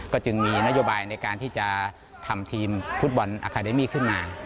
ก็จึงมีนโยบายในการที่จะทำทีมฟุตบอลอาคาเดมี่ขึ้นมา